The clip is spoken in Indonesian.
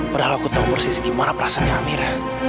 padahal aku tau persis gimana perasaan amir